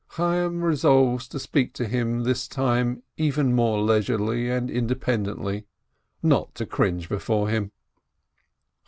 Chayyim resolves to speak to him this time even more leisurely and independently, not to cringe before him.